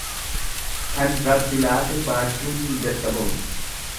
Kan Rabbi laate baachuun hin dadhabamu.